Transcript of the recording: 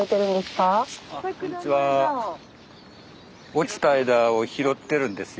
落ちた枝を拾ってるんですよ。